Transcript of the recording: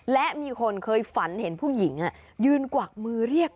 และมีคนเคยฝันเห็นผู้หญิงยืนกวักมือเรียก